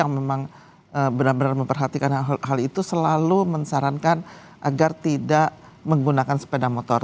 yang memang benar benar memperhatikan hal itu selalu mensarankan agar tidak menggunakan sepeda motor